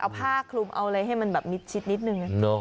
เอาผ้าคลุมเอาอะไรให้มันแบบมิดชิดนิดนึง